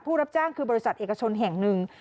รับจ้างคือบริษัทเอกชนแห่งหนึ่ง